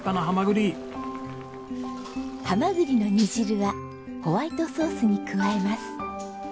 はまぐりの煮汁はホワイトソースに加えます。